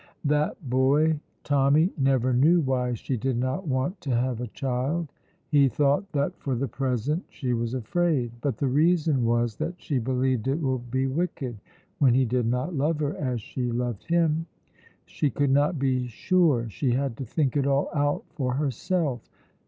That boy Tommy never knew why she did not want to have a child. He thought that for the present she was afraid; but the reason was that she believed it would be wicked when he did not love her as she loved him. She could not be sure she had to think it all out for herself.